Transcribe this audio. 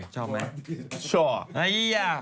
ชอบมั้ย